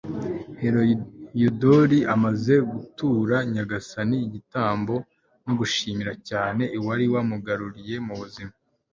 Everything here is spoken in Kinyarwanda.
heliyodori amaze gutura nyagasani igitambo no gushimira cyane uwari wamugaruriye ubuzima